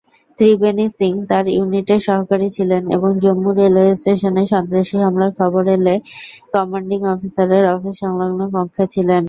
ত্রিবেণী সিং তার ইউনিটের সহকারী ছিলেন এবং জম্মু রেলওয়ে স্টেশনে সন্ত্রাসী হামলার খবর এলে কমান্ডিং অফিসারের অফিস সংলগ্ন কক্ষে ছিলেন।